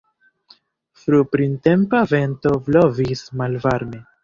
Fruprintempa vento blovis malvarme.